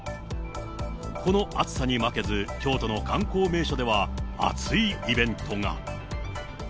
この暑さに負けず、京都の観光名所では、熱いイベントが。